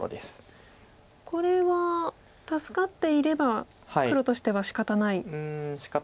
これは助かっていれば黒としてはしかたないですか？